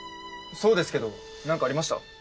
そうですけどなんかありました？